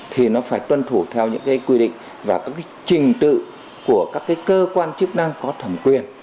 thì nó phải tuân thủ theo những cái quy định và các trình tự của các cơ quan chức năng có thẩm quyền